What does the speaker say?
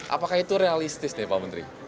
apakah itu realistis nih pak menteri